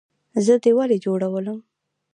زه دې ولۍ جوړولم؟